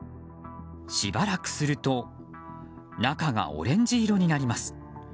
しばらくすると中がオレンジ色になります。